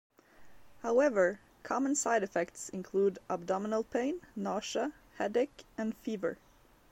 However, common side effects include abdominal pain, nausea, headache, and fever.